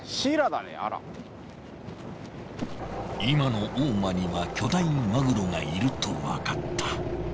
今の大間には巨大マグロがいるとわかった。